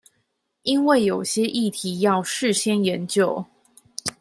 因為有些議題要事先研究